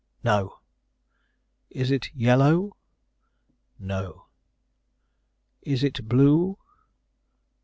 "No." "Is it yellow?" "No." "Is it blue?"